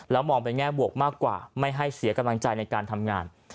มองไปแง่บวกมากกว่าไม่ให้เสียกำลังใจในการทำงาน